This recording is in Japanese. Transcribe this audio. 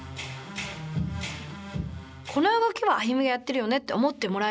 この動きはＡＹＵＭＩがやってるよねって思ってもらえるような。